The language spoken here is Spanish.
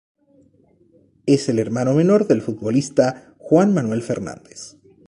Es el hermano menor del futbolista Juan Manuel Fernández.